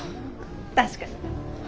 確かに。